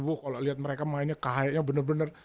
wuh kalau lihat mereka mainnya kayaknya benar benar